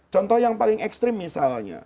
contoh yang paling ekstrim misalnya